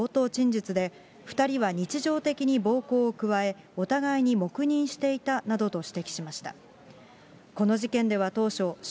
一方、検察側は冒頭陳述で、２人は日常的に暴行を加え、お互いに黙認していたなどと指摘しました。